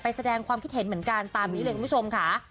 แสดงความคิดเห็นเหมือนกันตามนี้เลยคุณผู้ชมค่ะ